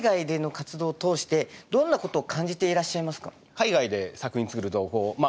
海外で作品作るとまあ